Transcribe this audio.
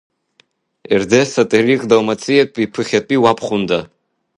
Ерде Сотерих Далмациатәи, ԥыхьатәи уабхәында.